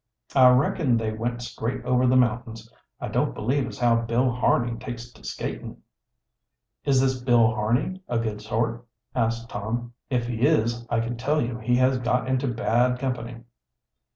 "I reckon they went straight over the mountains. I don't believe as how Bill Harney takes to skating." "Is this Bill Harney a good sort?" asked Tom. "If he is, I can tell you he has got into bad company."